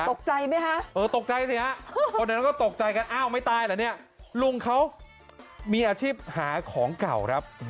ตกใจไหมฮะเออตกใจสิฮะคนในนั้นก็ตกใจกันอ้าวไม่ตายเหรอเนี่ยลุงเขามีอาชีพหาของเก่าครับ